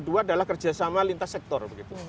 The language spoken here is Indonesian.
kedua adalah kerjasama lintas sektor